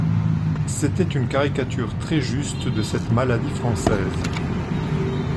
C’était une caricature très juste de cette maladie française.